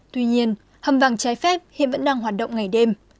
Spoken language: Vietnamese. tuy nhiên hầm vàng trái phép hiện vẫn đang hoạt động ngày đêm